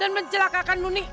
dan mencelakakan muni